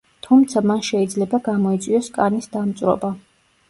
თუმცა, მან შეიძლება გამოიწვიოს კანის დამწვრობა.